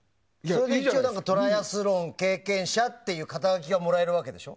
トライアスロン経験者っていう肩書がもらえるわけでしょ。